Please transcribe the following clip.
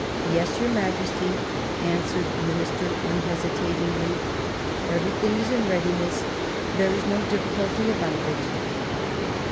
"Yes, your Majesty," answered the Minister unhesitatingly ;" everything is in readi ness ; there is no difficulty about it."